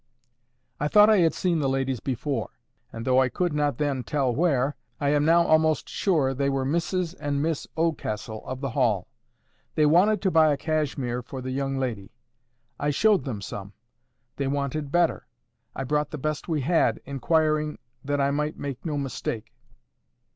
I thought I had seen the ladies before, and though I could not then tell where, I am now almost sure they were Mrs and Miss Oldcastle, of the Hall. They wanted to buy a cashmere for the young lady. I showed them some. They wanted better. I brought the best we had, inquiring, that I might make no mistake.